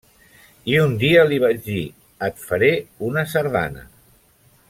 I un dia li vaig dir: et faré una sardana.